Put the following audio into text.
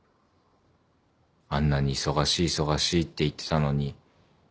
「あんなに忙しい忙しいって言ってたのに」